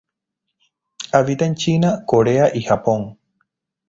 Habita en China, Corea y Japón.